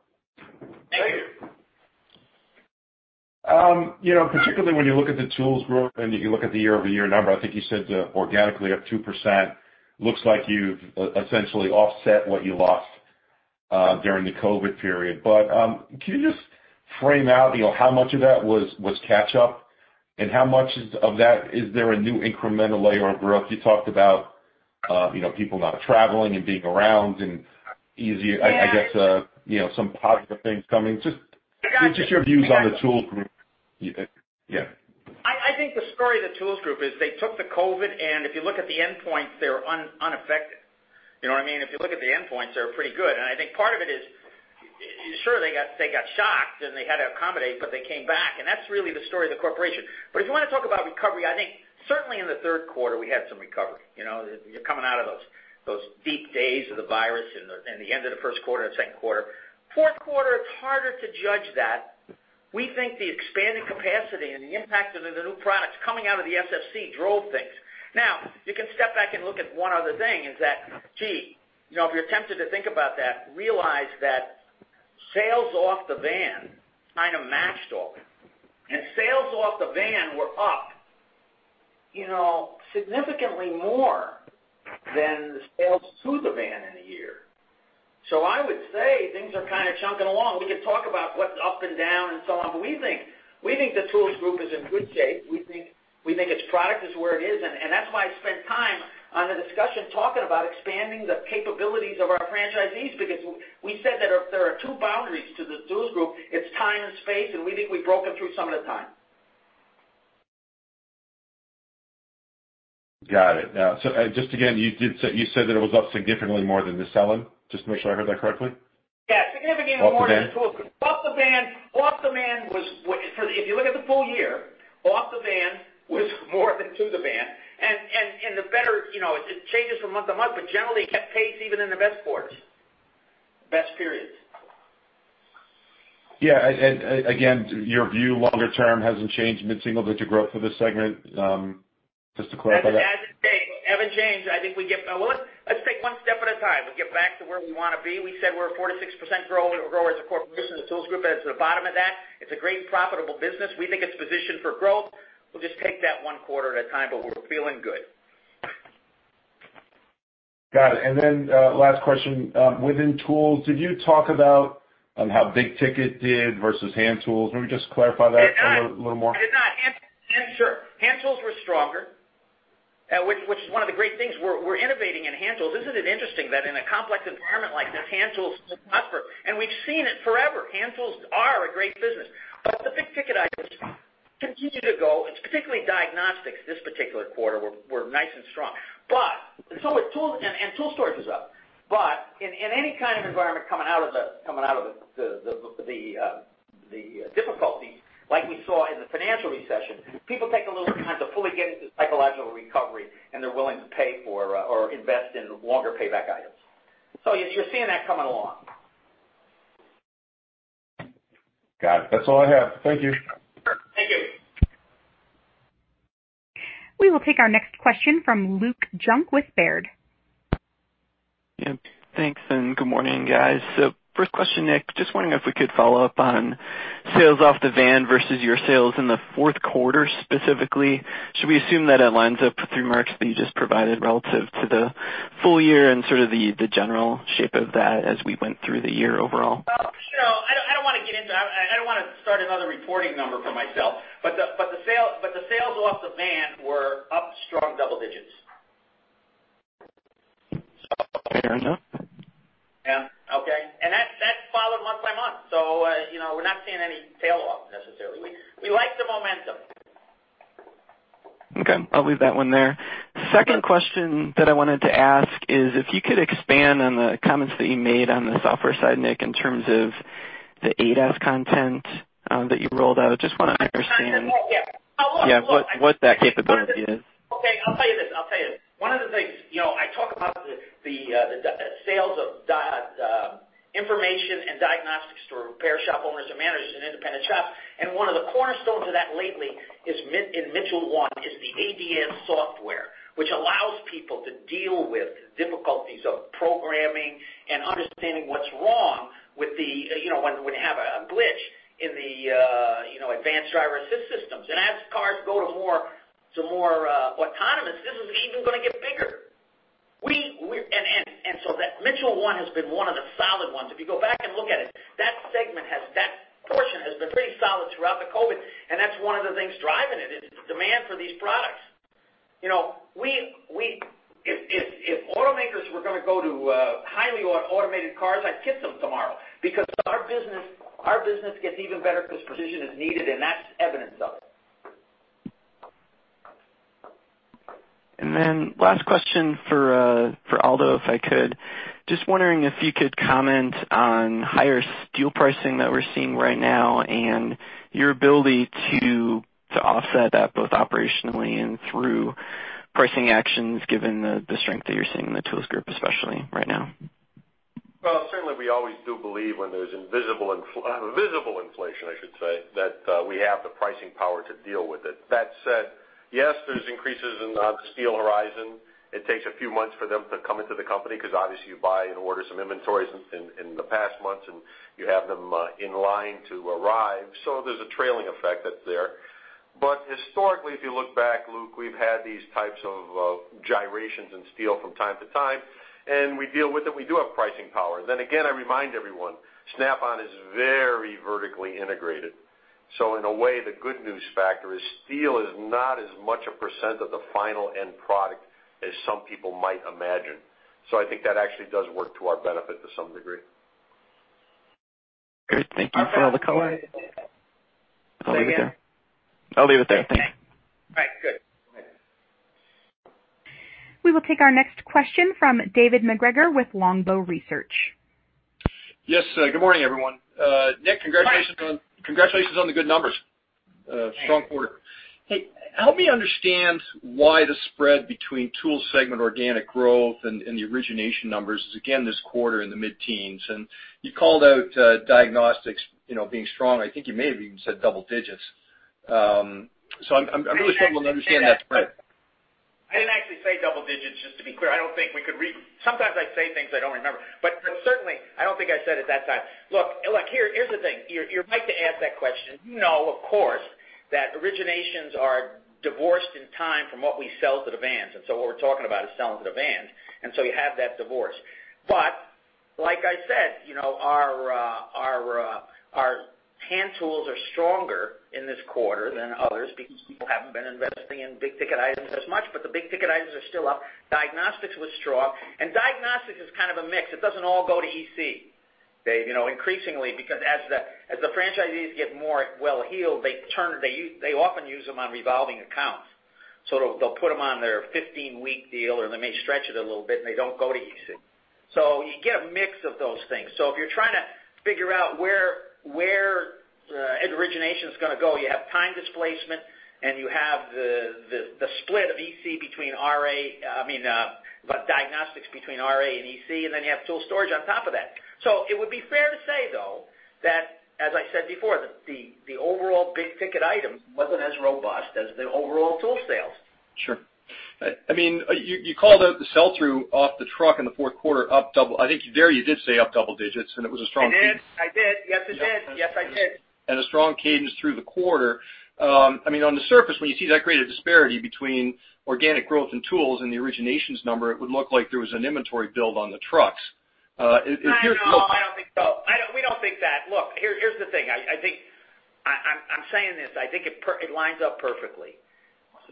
Particularly when you look at the tools group and you look at the year-over-year number, I think you said organically up 2% looks like you've essentially offset what you lost during the COVID period. Can you just frame out how much of that was catch-up and how much of that is there a new incremental layer of growth? You talked about people not traveling and being around and easier, I guess, some positive things coming. Just your views on the tools group. Yeah. I think the story of the tools group is they took the COVID, and if you look at the endpoints, they're unaffected. You know what I mean? If you look at the endpoints, they're pretty good. I think part of it is, sure, they got shocked and they had to accommodate, but they came back. That's really the story of the corporation. If you want to talk about recovery, I think certainly in the third quarter, we had some recovery. You're coming out of those deep days of the virus and the end of the first quarter and second quarter. Fourth quarter, it's harder to judge that. We think the expanded capacity and the impact of the new products coming out of the SFC drove things. Now, you can step back and look at one other thing is that, gee, if you're tempted to think about that, realize that sales off the van kind of matched all that. Sales off the van were up significantly more than the sales to the van in a year. I would say things are kind of chunking along. We can talk about what's up and down and so on, but we think the tools group is in good shape. We think its product is where it is. That is why I spent time on the discussion talking about expanding the capabilities of our franchisees because we said that there are two boundaries to the tools group. It's time and space, and we think we broke them through some of the time. Got it. Now, just again, you said that it was up significantly more than the selling? Just to make sure I heard that correctly. Yeah. Significantly more than the tools group. Off the van was, if you look at the full year, off the van was more than to the van. The better it changes from month to month, but generally kept pace even in the best quarters, best periods. Yeah. Again, your view longer term hasn't changed, mid-single digit growth for this segment. Just to clarify that. As it stays, it hasn't changed. I think we get back. Let's take one step at a time. We get back to where we want to be. We said we're a 46% grower as a corporation. The tools group adds to the bottom of that. It's a great profitable business. We think it's positioned for growth. We'll just take that one quarter at a time, but we're feeling good. Got it. Last question. Within tools, did you talk about how Big Ticket did versus Hand Tools? Maybe just clarify that a little more. I did not. Hand Tools were stronger, which is one of the great things. We're innovating in Hand Tools. Isn't it interesting that in a complex environment like this, Hand Tools still prosper? And we've seen it forever. Hand Tools are a great business. But the Big Ticket items continue to go. It's particularly diagnostics this particular quarter were nice and strong. And tool storage is up. But in any kind of environment coming out of the difficulties, like we saw in the financial recession, people take a little time to fully get into psychological recovery, and they're willing to pay for or invest in longer payback items. So you're seeing that coming along. Got it. That's all I have. Thank you. We will take our next question from Luke Junk with Baird. Yeah. Thanks. Good morning, guys. First question, Nick, just wondering if we could follow up on sales off the van versus your sales in the fourth quarter specifically. Should we assume that it lines up with three marks that you just provided relative to the full year and sort of the general shape of that as we went through the year overall? I don't want to get into it. I don't want to start another reporting number for myself. But the sales off the van were up strong double digits. Fair enough. Yeah. Okay. That is followed month by month. We are not seeing any tail off necessarily. We like the momentum. Okay. I'll leave that one there. Second question that I wanted to ask is if you could expand on the comments that you made on the software side, Nick, in terms of the ADAS content that you rolled out. I just want to understand. What that capability is. Okay. I'll tell you this. I'll tell you. One of the things I talk about is the sales of information and diagnostics to repair shop owners and managers and independent shops. One of the cornerstones of that lately is in Mitchell One is the ADS software, which allows people to deal with difficulties of programming and understanding what's wrong with the when you have a glitch in the advanced driver assist systems. As cars go to more autonomous, this is even going to get bigger. Mitchell One has been one of the solid ones. If you go back and look at it, that segment, that portion has been pretty solid throughout the COVID. That's one of the things driving it is the demand for these products. If automakers were going to go to highly automated cars, I'd kiss them tomorrow because our business gets even better because precision is needed, and that's evidence of it. Last question for Aldo, if I could. Just wondering if you could comment on higher steel pricing that we're seeing right now and your ability to offset that both operationally and through pricing actions given the strength that you're seeing in the tools group especially right now. Certainly, we always do believe when there is invisible inflation, I should say, that we have the pricing power to deal with it. That said, yes, there are increases in the steel horizon. It takes a few months for them to come into the company because obviously you buy and order some inventories in the past months, and you have them in line to arrive. There is a trailing effect that is there. Historically, if you look back, Luke, we have had these types of gyrations in steel from time to time, and we deal with it. We do have pricing power. I remind everyone, Snap-on is very vertically integrated. In a way, the good news factor is steel is not as much a percent of the final end product as some people might imagine. I think that actually does work to our benefit to some degree. Great. Thank you for all the color. I'll leave it there. Thank you. All right. Good. We will take our next question from David MacGregor with Longbow Research. Yes. Good morning, everyone. Nick, congratulations on the good numbers. Strong quarter. Hey. Help me understand why the spread between tools segment organic growth and the origination numbers is, again, this quarter in the mid-teens. You called out diagnostics being strong. I think you may have even said double digits. I'm really struggling to understand that spread. I did not actually say double digits, just to be clear. I do not think we could, sometimes I say things I do not remember. Certainly, I do not think I said it that time. Look, here is the thing. You are right to ask that question. You know, of course, that originations are divorced in time from what we sell to the vans. What we are talking about is selling to the vans, and you have that divorce. Like I said, our hand tools are stronger in this quarter than others because people have not been investing in Big Ticket items as much, but the Big Ticket items are still up. Diagnostics was strong. Diagnostics is kind of a mix. It does not all go to EC, Dave, increasingly because as the franchisees get more well-heeled, they often use them on revolving accounts. They'll put them on their 15-week deal, or they may stretch it a little bit, and they don't go to EC. You get a mix of those things. If you're trying to figure out where origination is going to go, you have time displacement, and you have the split of EC between RA, I mean, diagnostics between RA and EC, and then you have tool storage on top of that. It would be fair to say, though, that, as I said before, the overall Big Ticket items wasn't as robust as the overall tool sales. Sure. I mean, you called out the sell-through off the truck in the fourth quarter up double. I think there you did say up double digits, and it was a strong cadence. I did. Yes, I did. A strong cadence through the quarter. I mean, on the surface, when you see that great disparity between organic growth and tools and the originations number, it would look like there was an inventory build on the trucks. No, I do not think so. We do not think that. Look, here is the thing. I am saying this. I think it lines up perfectly.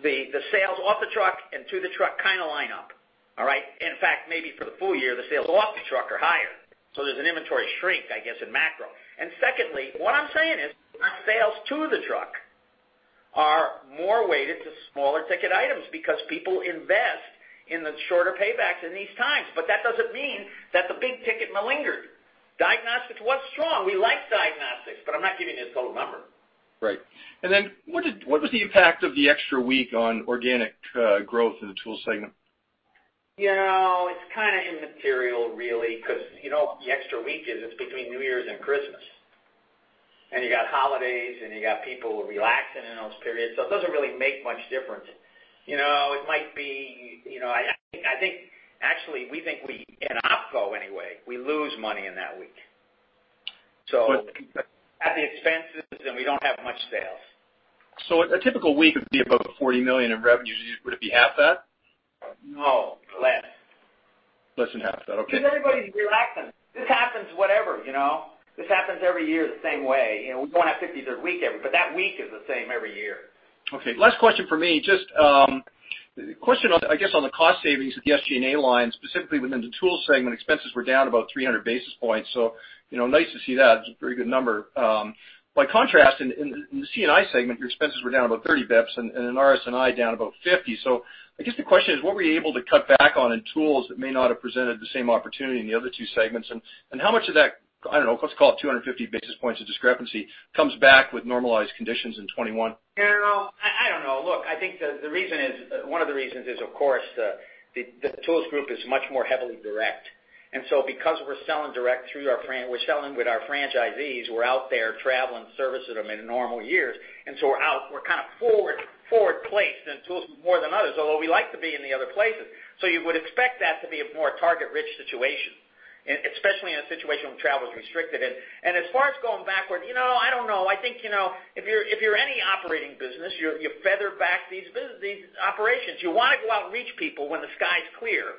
The sales off the truck and to the truck kind of line up, all right? In fact, maybe for the full year, the sales off the truck are higher. So there is an inventory shrink, I guess, in macro. And secondly, what I am saying is sales to the truck are more weighted to smaller ticket items because people invest in the shorter paybacks in these times. That does not mean that the Big Ticket malingered. Diagnostics was strong. We liked diagnostics, but I am not giving you the total number. Right. And then what was the impact of the extra week on organic growth in the tools segment? It's kind of immaterial, really, because the extra week is between New Year's and Christmas. You got holidays, and you got people relaxing in those periods. It doesn't really make much difference. It might be, I think, actually, we think we in Opco, anyway, we lose money in that week. So at the expenses, and we don't have much sales. So a typical week would be about $40 million in revenues. Would it be half that? No. Less. Less than half that. Okay. Because everybody's relaxing. This happens, whatever. This happens every year the same way. We don't have a 53rd week every year, but that week is the same every year. Okay. Last question for me. Just a question, I guess, on the cost savings at the SG&A line, specifically within the tools segment, expenses were down about 300 basis points. So nice to see that. It's a very good number. By contrast, in the C&I segment, your expenses were down about 30 basis points and in RS&I down about 50. So I guess the question is, what were you able to cut back on in tools that may not have presented the same opportunity in the other two segments? And how much of that, I don't know, let's call it 250 basis points of discrepancy, comes back with normalized conditions in 2021? I don't know. Look, I think the reason is one of the reasons is, of course, the Tools Group is much more heavily direct. Because we're selling direct through our, we're selling with our franchisees, we're out there traveling, servicing them in normal years. We're kind of forward placed in tools more than others, although we like to be in the other places. You would expect that to be a more target-rich situation, especially in a situation when travel is restricted. As far as going backward, I don't know. I think if you're any operating business, you feather back these operations. You want to go out and reach people when the sky's clear.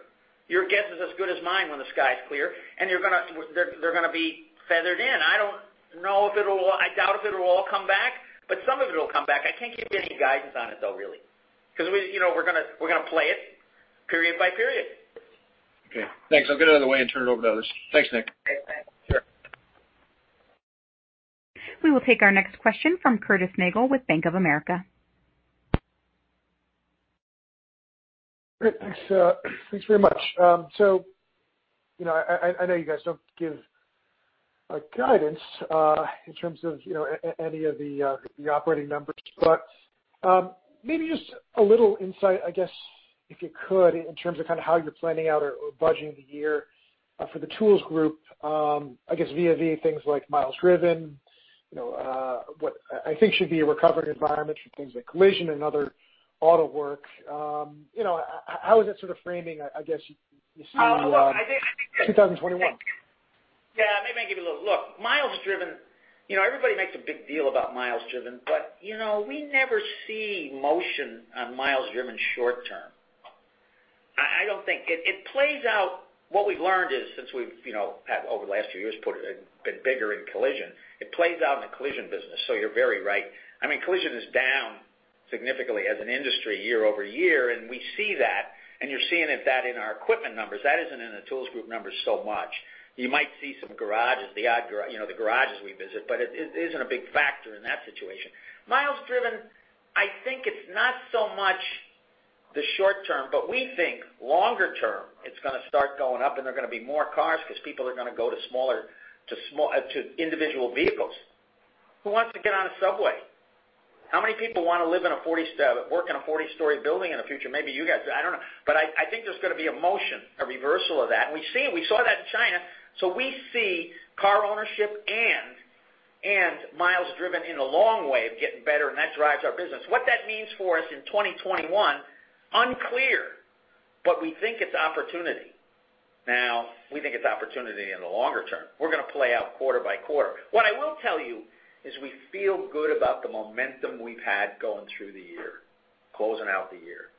Your guess is as good as mine when the sky's clear, and they're going to be feathered in. I don't know if it'll, I doubt if it'll all come back, but some of it'll come back. I can't give you any guidance on it, though, really, because we're going to play it period by period. Okay. Thanks. I'll get out of the way and turn it over to others. Thanks, Nick. We will take our next question from Curtis Nagle with Bank of America. Great. Thanks very much. I know you guys do not give guidance in terms of any of the operating numbers, but maybe just a little insight, I guess, if you could, in terms of kind of how you are planning out or budgeting the year for the tools group, I guess, via things like miles driven, what I think should be a recovery environment for things like collision and other auto work. How is that sort of framing, I guess, you see- I think. -2021. Yeah. Maybe I can give you a little look. Miles driven, everybody makes a big deal about miles driven, but we never see motion on miles driven short term. I do not think it plays out. What we have learned is, since we have had over the last few years, been bigger in collision, it plays out in the collision business. You are very right. I mean, collision is down significantly as an industry year over year, and we see that. You are seeing that in our equipment numbers. That is not in the tools group numbers so much. You might see some garages, the garages we visit, but it is not a big factor in that situation. Miles driven, I think it's not so much the short term, but we think longer term it's going to start going up, and there are going to be more cars because people are going to go to smaller individual vehicles. Who wants to get on a subway? How many people want to live in a 40-story, work in a 40-story building in the future? Maybe you guys do. I don't know. I think there's going to be a motion, a reversal of that. We see it. We saw that in China. We see car ownership and miles driven in the long wave getting better, and that drives our business. What that means for us in 2021, unclear, but we think it's opportunity. We think it's opportunity in the longer term. We're going to play out quarter by quarter. What I will tell you is we feel good about the momentum we've had going through the year, closing out the year.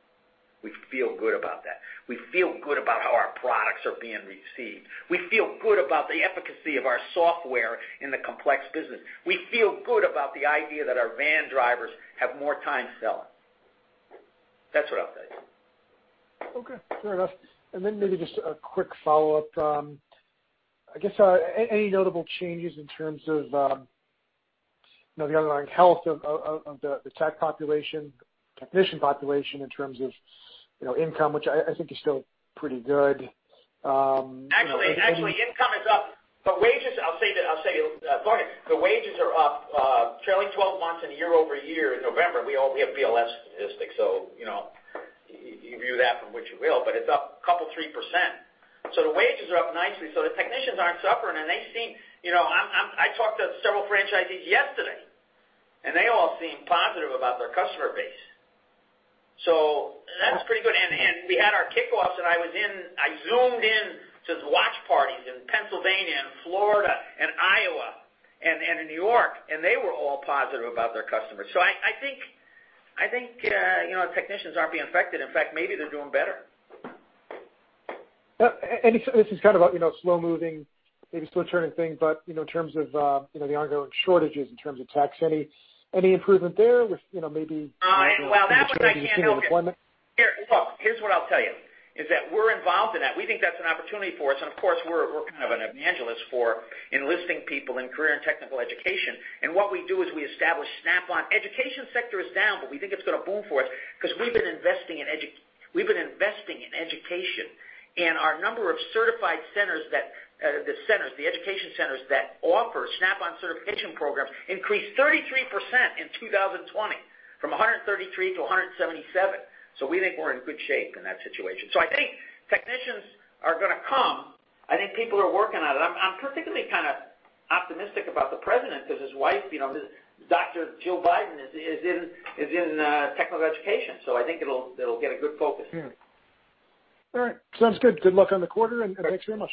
We feel good about that. We feel good about how our products are being received. We feel good about the efficacy of our software in the complex business. We feel good about the idea that our van drivers have more time selling. That's what I'll tell you. Okay. Fair enough. Maybe just a quick follow-up. I guess any notable changes in terms of the underlying health of the tech population, technician population in terms of income, which I think is still pretty good? Actually, income is up. But wages, I'll tell you, the wages are up. Trailing 12 months and year-over-year in November, we have BLS statistics. So you view that from which you will, but it's up a couple of 3%. So the wages are up nicely. So the technicians aren't suffering, and they seem I talked to several franchisees yesterday, and they all seem positive about their customer base. So that's pretty good. And we had our kickoffs, and I zoomed in to the watch parties in Pennsylvania and Florida and Iowa and in New York, and they were all positive about their customers. So I think the technicians aren't being affected. In fact, maybe they're doing better. This is kind of a slow-moving, maybe slow-turning thing, but in terms of the ongoing shortages in terms of tax, any improvement there with maybe? Look, here's what I'll tell you, is that we're involved in that. We think that's an opportunity for us. Of course, we're kind of an evangelist for enlisting people in career and technical education. What we do is we establish Snap-on. Education sector is down, but we think it's going to boom for us because we've been investing in education. Our number of certified centers, the education centers that offer Snap-on certification programs, increased 33% in 2020 from 133 to 177. We think we're in good shape in that situation. I think technicians are going to come. I think people are working on it. I'm particularly kind of optimistic about the president because his wife, Dr. Jill Biden, is in technical education. I think it'll get a good focus. All right. Sounds good. Good luck on the quarter, and thanks very much.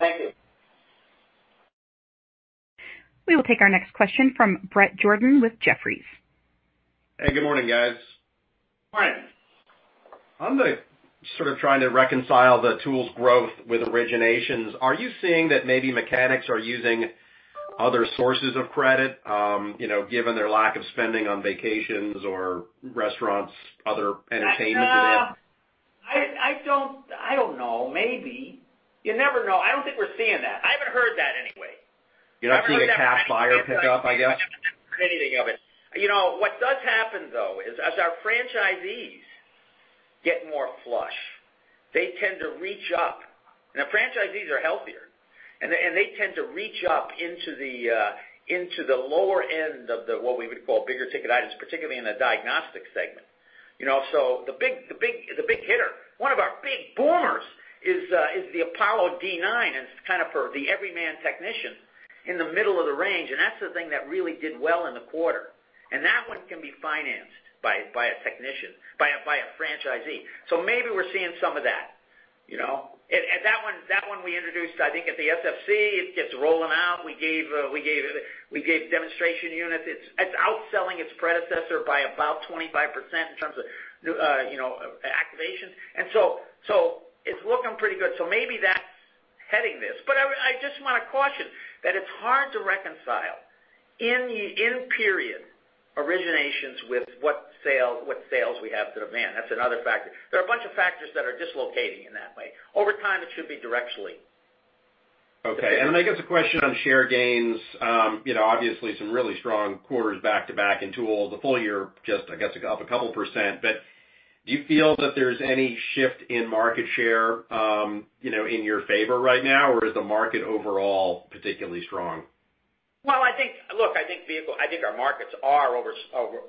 Thank you. We will take our next question from Bret Jordan with Jefferies. Hey, good morning, guys. Morning. I'm sort of trying to reconcile the tools growth with originations. Are you seeing that maybe mechanics are using other sources of credit given their lack of spending on vacations or restaurants, other entertainment events? I don't know. Maybe. You never know. I don't think we're seeing that. I haven't heard that anyway. You're not seeing a cash buyer pickup, I guess? Anything of it. What does happen, though, is as our franchisees get more flush, they tend to reach up. The franchisees are healthier, and they tend to reach up into the lower end of what we would call bigger ticket items, particularly in the diagnostic segment. The big hitters, one of our big boomers is the Apollo D9, and it is kind of for the everyman technician in the middle of the range. That is the thing that really did well in the quarter. That one can be financed by a technician, by a franchisee. Maybe we are seeing some of that. That one we introduced, I think, at the SFC. It gets rolling out. We gave demonstration units. It is outselling its predecessor by about 25% in terms of activation. It is looking pretty good. Maybe that is heading this. I just want to caution that it's hard to reconcile in-period originations with what sales we have to the van. That's another factor. There are a bunch of factors that are dislocating in that way. Over time, it should be directionally. Okay. I guess a question on share gains. Obviously, some really strong quarters back to back in tools. The full year just, I guess, up a couple percent. Do you feel that there's any shift in market share in your favor right now, or is the market overall particularly strong? I think our markets are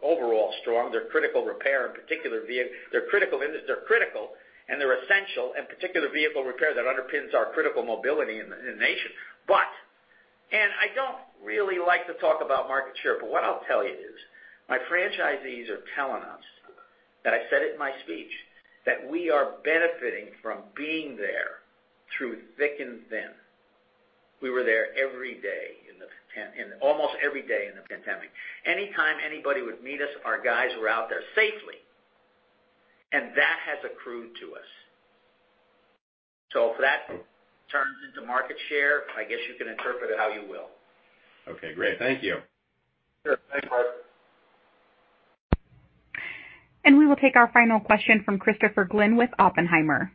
overall strong. They are critical repair, in particular. They are critical, and they are essential, in particular vehicle repair that underpins our critical mobility in the nation. I do not really like to talk about market share, but what I will tell you is my franchisees are telling us, and I said it in my speech, that we are benefiting from being there through thick and thin. We were there every day, in almost every day in the pandemic. Anytime anybody would meet us, our guys were out there safely, and that has accrued to us. If that turns into market share, I guess you can interpret it how you will. Okay. Great. Thank you. Sure. Thanks, Bret. We will take our final question from Christopher Glynn with Oppenheimer.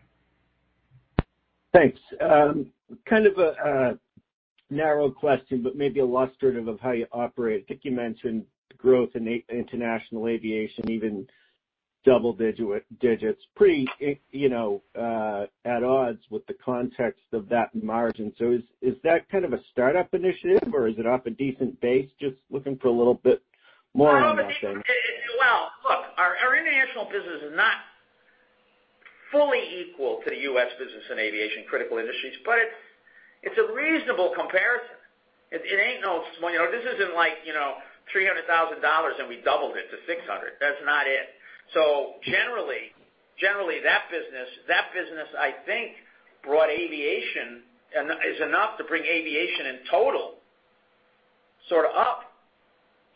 Thanks. Kind of a narrow question, but maybe illustrative of how you operate. I think you mentioned growth in international aviation, even double digits, pretty at odds with the context of that margin. Is that kind of a startup initiative, or is it off a decent base just looking for a little bit more on that thing? Look, our international business is not fully equal to the U.S. business in aviation critical industries, but it's a reasonable comparison. It ain't no small. This isn't like $300,000, and we doubled it to $600,000. That's not it. Generally, that business, I think, brought aviation and is enough to bring aviation in total sort of up.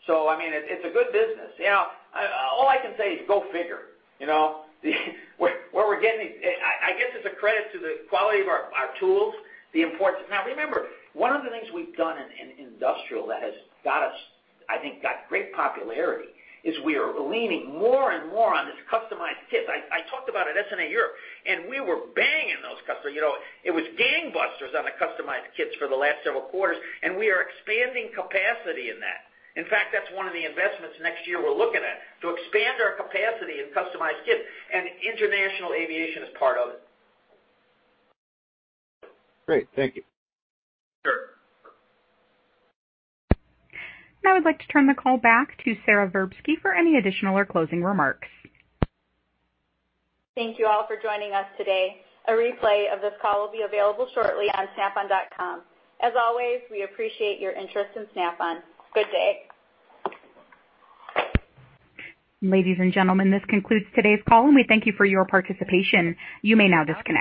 I mean, it's a good business. All I can say is go figure. Where we're getting it, I guess it's a credit to the quality of our tools, the importance. Now, remember, one of the things we've done in industrial that has, I think, got great popularity is we are leaning more and more on this customized kit. I talked about it at SNA Europe, and we were banging those customers. It was gangbusters on the customized kits for the last several quarters, and we are expanding capacity in that. In fact, that's one of the investments next year we're looking at to expand our capacity in customized kits. International aviation is part of it. Great. Thank you. Sure. Now I'd like to turn the call back to Sara Verbsky for any additional or closing remarks. Thank you all for joining us today. A replay of this call will be available shortly on snapon.com. As always, we appreciate your interest in Snap-on. Good day. Ladies and gentlemen, this concludes today's call, and we thank you for your participation. You may now disconnect.